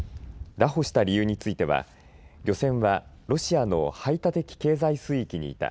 だ捕した理由については漁船はロシアの排他的経済水域にいた。